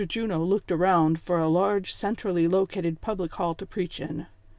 Juno looked around for a lai ge centrally located public hall to preach in.